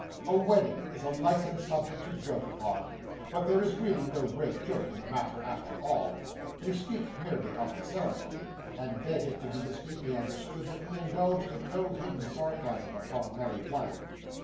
A wedding is a licensed subject to joke upon, but there really is no great joke in the matter after all; we speak merely of the ceremony, and beg it to be distinctly understood that we indulge in no hidden sarcasm upon a married life.